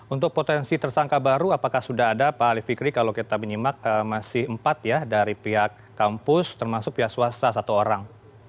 untuk potensi tersangka baru apakah sudah ada pak ali fikri kalau kita menyimak masih empat ya dari pihak kampus termasuk pihak swasta satu orang